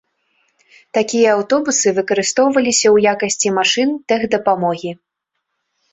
Такія аўтобусы выкарыстоўваліся ў якасці машын тэхдапамогі.